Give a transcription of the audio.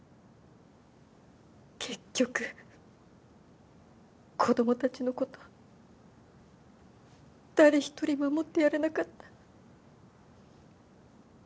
結局子供たちのこと誰一人守ってやれなかった。